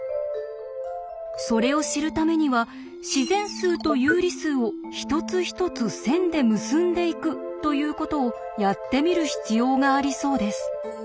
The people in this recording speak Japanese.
それを知るためには自然数と有理数を一つ一つ線で結んでいくということをやってみる必要がありそうです。